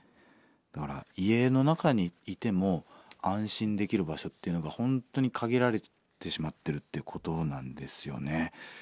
だから家の中にいても安心できる場所っていうのが本当に限られてしまってるっていうことなんですよね。